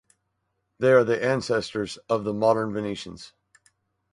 They are the ancestors of the modern Venetians.